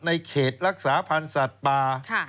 ในเขตรักษาพันธ์สัตว์ป่า